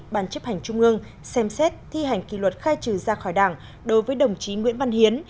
ban chấp hành trung ương xem xét thi hành kỷ luật khai trừ ra khỏi đảng đối với đồng chí nguyễn văn hiến